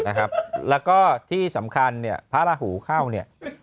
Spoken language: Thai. แล้วก็ที่สำคัญเนี่ยพระราหูเข้าเนี่ย